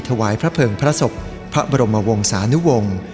ถวายพระเภิงพระศพพระบรมวงศานุวงศ์